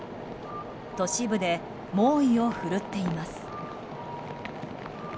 都市部で猛威を振るっています。